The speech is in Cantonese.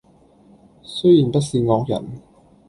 雖然不是惡人，